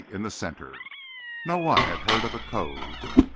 in the centre. No one had heard of a code.